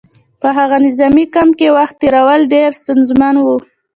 په هغه نظامي کمپ کې وخت تېرول ډېر ستونزمن وو